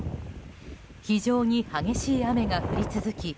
非常に激しい雨が降り続き